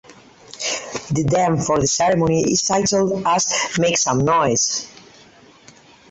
The theme for the ceremony is titled as "Make Some Noise".